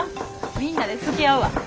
みんなでつきあうわ。